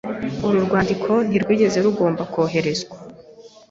Uru rwandiko ntirwigeze rugomba koherezwa.